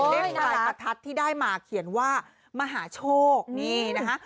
เลขปลายประทัดที่ได้มาเขียนว่ามหาโชคนี่นะคะ